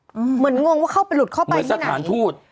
อืมเหมือนงงว่าเขาไปหลุดเข้าไปที่ไหนเหมือนสถานทูต